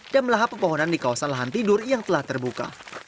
dan melahap pepohonan di kawasan lahan tidur yang telah terbuka